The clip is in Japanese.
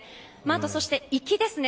そして行きですね。